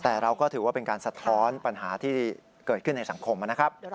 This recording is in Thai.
แต่เราก็ถือว่าเป็นการสะท้อนปัญหาที่เกิดขึ้นในสังคมนะครับ